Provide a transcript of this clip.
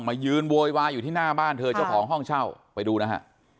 มายืนโวยวายอยู่ที่หน้าบ้านเธอเจ้าของห้องเช่าไปดูนะฮะ